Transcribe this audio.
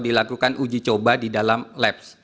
dilakukan uji coba di dalam labs